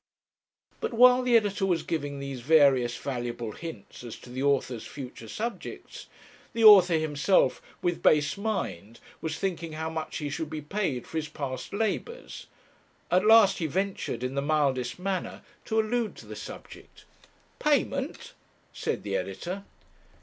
But while the editor was giving these various valuable hints as to the author's future subjects, the author himself, with base mind, was thinking how much he should be paid for his past labours. At last he ventured, in the mildest manner, to allude to the subject. 'Payment!' said the editor.